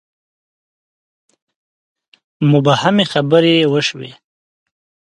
مبهمې خبرې وشوې.